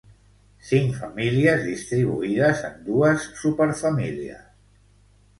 Cinc famílies distribuïdes en dues superfamílies.